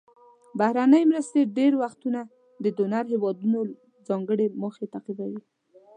بهرنۍ مرستې ډیری وختونه د ډونر هیوادونو ځانګړې موخې تعقیبوي.